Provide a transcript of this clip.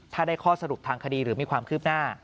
ถ้าได้ข้อสรุปทางคดีหรือมีความคืบหน้า